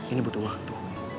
ini butuh waktu